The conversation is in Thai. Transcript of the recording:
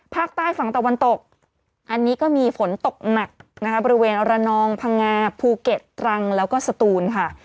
ภาคใต้ฝั่งตะวันตกอันนี้ก็มีฝนตกหนักนะคะบริเวณระนองพังงาภูเก็ตตรังแล้วก็สตูนค่ะ